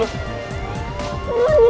turun turun turun